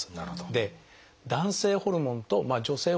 で男性ホルモンと女性ホルモン